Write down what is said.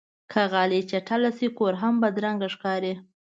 که غالۍ چټله شي، کور هم بدرنګه ښکاري.